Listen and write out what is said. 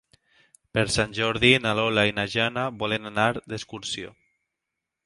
Per Sant Jordi na Lola i na Jana volen anar d'excursió.